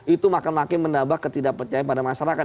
itu makin makin menambah ketidakpercayaan pada masyarakat